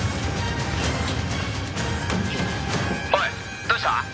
「おいどうした？」